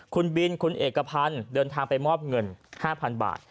คุณบินคุณเอกพันธ์เดินทางไปมอบเงิน๕๐๐๐บาท